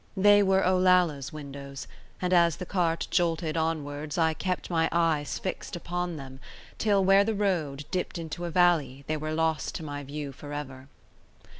They were Olalla's windows, and as the cart jolted onwards I kept my eyes fixed upon them till, where the road dipped into a valley, they were lost to my view forever.